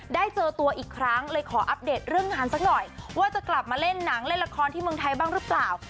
ได้เจอตัวอีกครั้งเลยขออัปเดตเรื่องงานสักหน่อยว่าจะกลับมาเล่นหนังเล่นละครที่เมืองไทยบ้างหรือเปล่า